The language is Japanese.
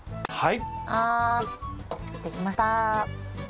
はい。